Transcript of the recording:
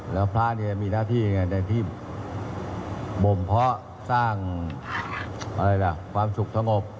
แล้วพระมีหน้าที่อย่างไรในที่บ่มเพาะสร้างความสุขทังอบ